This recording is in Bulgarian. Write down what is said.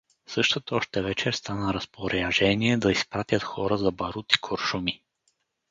Същата още вечер стана разпоряжение да изпратят хора за барут и куршуми.